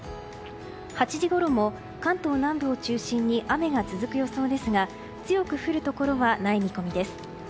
８時ごろも関東南部を中心に雨が続く予想ですが強く降るところはない見込みです。